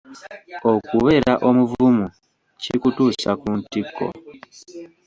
Okubeera omuvumu kikutuusa ku ntikko.